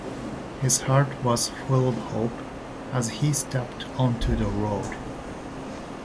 His heart was full of hope as he stepped onto the road.